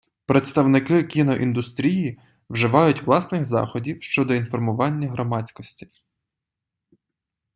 Представники кіноіндустрії вживають власних заходів, щодо інформування громадськосі.